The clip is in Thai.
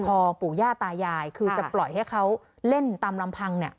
ปู่ย่าตายายคือจะปล่อยให้เขาเล่นตามลำพังเนี่ย